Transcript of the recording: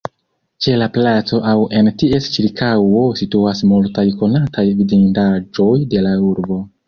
Ĉe la placo aŭ en ties ĉirkaŭo situas multaj konataj vidindaĵoj de la urbo.